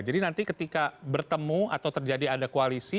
jadi nanti ketika bertemu atau terjadi ada koalisi